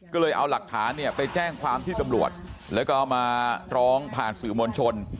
ก็เลยเอาหลักฐานเนี่ยไปแจ้งความที่ตำรวจแล้วก็เอามาร้องผ่านสื่อมวลชน